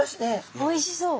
おいしそう。